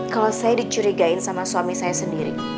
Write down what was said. kalau saya dicurigain sama suami saya sendiri